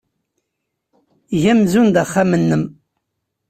Eg amzun d axxam-nnem.